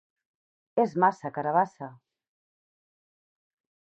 És massa, carabassa!